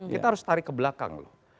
kita harus tarik ke belakang loh